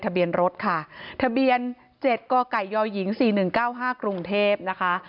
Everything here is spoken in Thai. ทะเบียนรถค่ะทะเบียน๗กกยหญิง๔๑๙๕กรุงเทพนะคะ